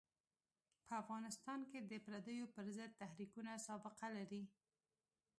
په افغانستان کې د پرديو پر ضد تحریکونه سابقه لري.